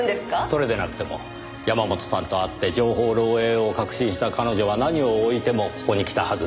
それでなくても山本さんと会って情報漏洩を確信した彼女は何をおいてもここに来たはずです。